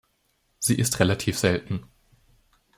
Sie ist relativ selten.